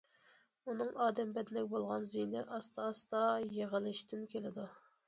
ئۇنىڭ ئادەم بەدىنىگە بولغان زىيىنى ئاستا- ئاستا يىغىلىشتىن كېلىدۇ.